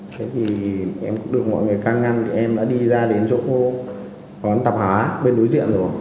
thế thì em cũng được mọi người can ngăn em đã đi ra đến chỗ quán tập hóa bên đối diện rồi